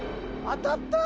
当たった？